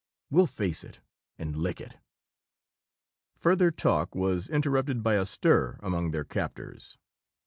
"We'll face it and lick it!" Further talk was interrupted by a stir among their captors.